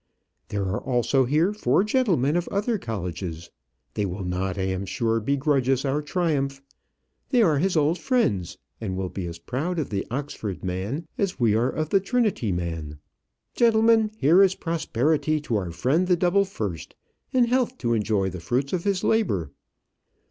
There are also here four gentlemen of other colleges; they will not, I am sure, begrudge us our triumph; they are his old friends, and will be as proud of the Oxford man as we are of the Trinity man. Gentlemen, here is prosperity to our friend the double first, and health to enjoy the fruits of his labour."